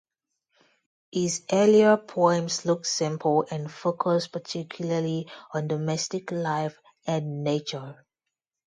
His earlier poems look simple, and focus particularly on domestic life and nature.